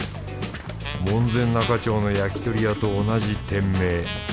門前仲町の焼き鳥屋と同じ店名。